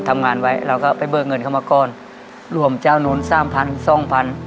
ทำงานไว้เราก็ไปเบิกเงินเข้ามาก้อนรวมเจ้านู้นสามพันสองพัน